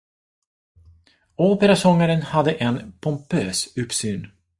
Operasångaren hade en pompös uppsyn.